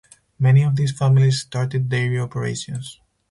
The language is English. Many of these families started dairy operations.